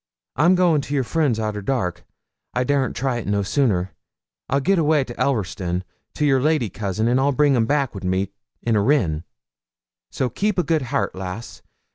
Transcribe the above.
I'm goin' to your friends arter dark; I darn't try it no sooner. I'll git awa to Ellerston, to your lady cousin, and I'll bring 'em back wi' me in a rin; so keep a good hairt, lass.